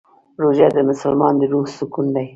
روژه د مسلمان د روح سکون دی.